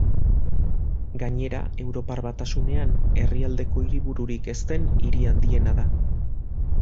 Gainera Europar Batasunean, herrialdeko hiribururik ez den hiri handiena da.